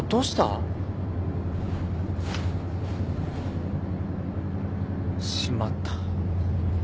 しまった。